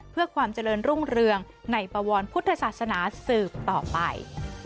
เพื่อความเจริญรุ่งเรืองในปวรพุทธศาสนาสืบต่อไป